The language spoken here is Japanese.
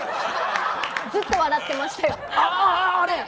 ずっと笑ってましたよ。